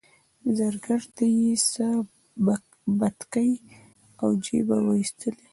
زرګر ته یې څه بتکۍ له جیبه وایستلې.